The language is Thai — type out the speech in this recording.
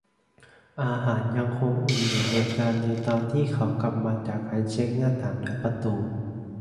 อาหารยังคงอุ่นอยู่บนจานในตอนที่เขากลับมาจากการเช็คหน้าต่างและประตู